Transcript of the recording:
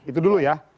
itu dulu ya